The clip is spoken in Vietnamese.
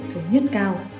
thống nhất cao